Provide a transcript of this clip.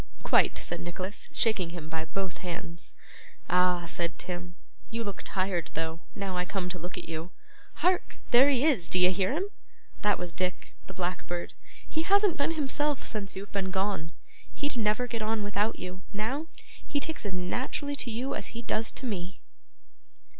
'Quite,' said Nicholas, shaking him by both hands. 'Ah!' said Tim, 'you look tired though, now I come to look at you. Hark! there he is, d'ye hear him? That was Dick, the blackbird. He hasn't been himself since you've been gone. He'd never get on without you, now; he takes as naturally to you as he does to me.